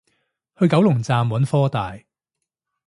去九龍站揾科大